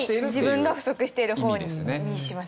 自分が不足している方にします。